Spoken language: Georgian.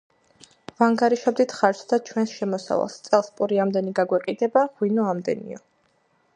ვანგარიშობდით ხარჯს და ჩვენს შემოსავალს: წელს პური ამდენი გაგვეყიდება, ღვინო ამდენიო.